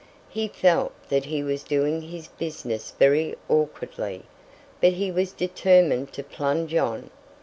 (He felt that he was doing his business very awkwardly, but he was determined to plunge on.)